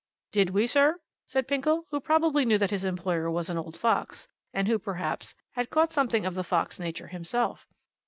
"Did we, sir?" said Pinkle, who probably knew that his employer was an old fox, and who, perhaps, had caught something of the fox nature himself.